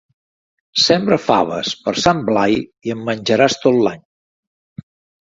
Sembra faves per Sant Blai i en menjaràs tot l'any.